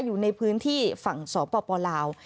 อยู่ในพื้นที่ฝั่งสปลาว